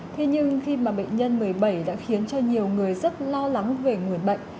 thế nhưng khi mà bệnh nhân một mươi bảy đã khiến cho nhiều người rất lo lắng về nguồn bệnh